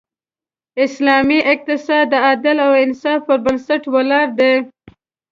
اسلامی اقتصاد د عدل او انصاف پر بنسټ ولاړ دی.